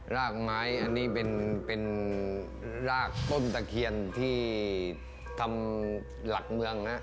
รากไม้อันนี้เป็นรากต้นตะเคียนที่ทำหลักเมืองนะ